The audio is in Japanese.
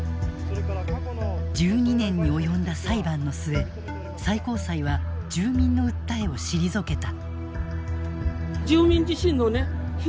１２年に及んだ裁判の末最高裁は住民の訴えを退けた。